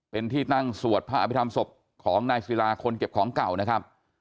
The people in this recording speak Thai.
เป็นที่ตั้งสวดพระอภิษฐรรมศพของนายศิลาคนเก็บของเก่านะครับ